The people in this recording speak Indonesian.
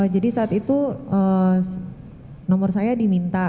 jadi saat itu nomor saya diminta